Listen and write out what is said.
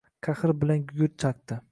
Qahr bilan gugurt chaqdi.